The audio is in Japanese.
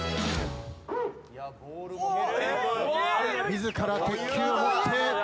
自ら鉄球を持って。